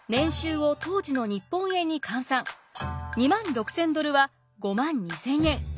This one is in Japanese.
２万６，０００ドルは５万２，０００円。